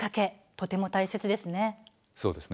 とても大切ですね。